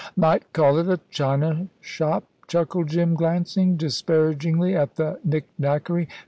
"Might call it a china shop," chuckled Jim, glancing disparagingly at the nicknackery.